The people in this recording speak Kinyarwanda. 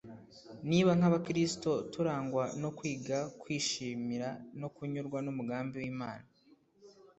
niba nk'abakristo turangwa no kwiga kwishimira no kunyurwa n'umugambi w'imana